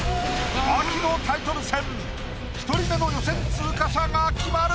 秋のタイトル戦１人目の予選通過者が決まる！